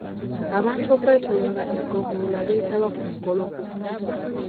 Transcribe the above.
Abantu okwetolola eggombolola beetaba ku mukolo gwe.